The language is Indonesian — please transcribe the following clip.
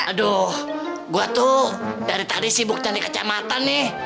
aduh gue tuh dari tadi sibuk cari kecamatan nih